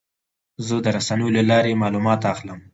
زه د رسنیو له لارې معلومات اخلم.